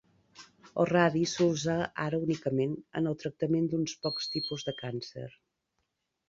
El radi s'usa ara únicament en el tractament d'uns pocs tipus de càncer.